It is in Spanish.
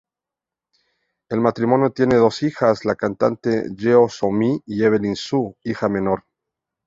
El matrimonio tiene dos hijas, la cantante Jeon So-mi y Evelyn, su hija menor.